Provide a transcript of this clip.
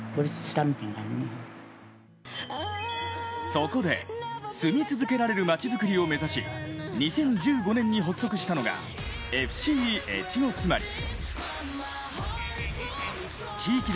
そこで、住み続けられるまちづくりを目指し２０１５年に発足したのがＦＣ越後妻有。